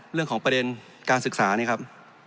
เรื่องของประเด็นการศึกษานี่ครับ